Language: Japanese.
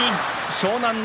湘南乃